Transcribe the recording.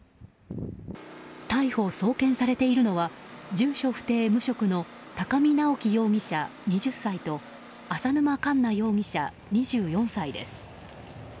逮捕・送検されているのは住所不定・無職の高見直輝容疑者、２０歳と浅沼かんな容疑者、２４歳です。